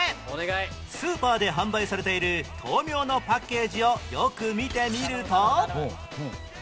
スーパーで販売されている豆苗のパッケージをよく見てみると